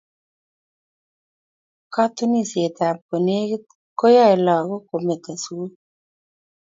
katunisiet ap kolekit koyae lakok kometo sukul